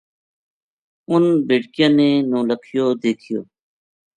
اُنھ بیٹکیاں نے نولکھیو دیکھیو